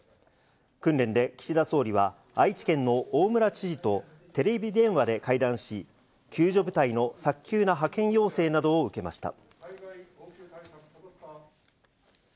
訓練で岸田総理は愛知県の大村知事とテレビ電話で会談し、救助部隊の早急な派遣要請などを受けました。